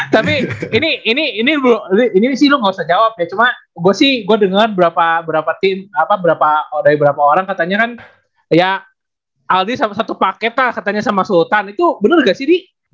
tapi ini ini ini sih lu gak usah jawab ya cuma gue sih gue denger berapa berapa tim apa berapa dari berapa orang katanya kan ya aldi sama satu paket lah katanya sama sultan itu bener gak sih di